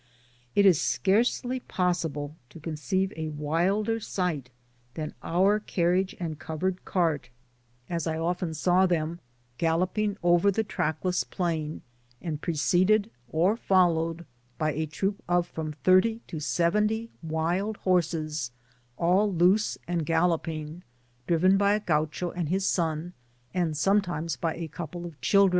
It is scarcely possible to conceive a wilder sigh^ than our carriage and covered cart, as I often saw them*, galloping over the trackless plain, and pre ceded or followed by a troop of from thirty to seventy wild horses, all loose and galloping, driven by a Gaucho and his son, and sometimes by a cou * pie of children.